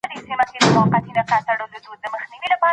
ولي پر انسان باندي حرج روا نه دی؟